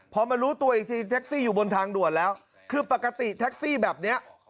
พอมารู้ตัวอีกทีแท็กซี่อยู่บนทางด่วนแล้วคือปกติแท็กซี่แบบเนี้ย